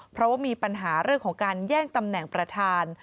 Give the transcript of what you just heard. เพราะว่ามีปัญหาเรื่องของการแย่งตำแหน่งประธาน